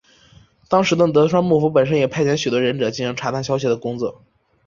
当时的德川幕府本身也派遣许多忍者进行查探消息的工作。